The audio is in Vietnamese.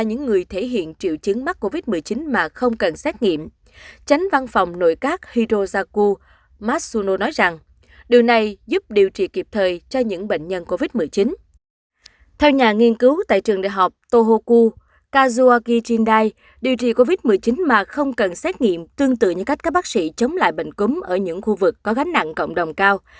nhà nghiên cứu tại trường đại học tohoku kazuaki jindai điều trị covid một mươi chín mà không cần xét nghiệm tương tự như cách các bác sĩ chống lại bệnh cúm ở những khu vực có gánh nặng cộng đồng cao